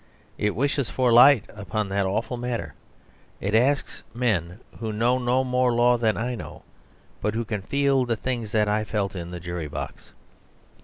It wishes for light upon that awful matter, it asks men who know no more law than I know, but who can feel the things that I felt in the jury box.